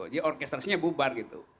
jadi orkestrasinya bubar gitu